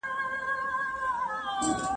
هر آواز یې د بلال دی هر ګوزار یې د علي دی !.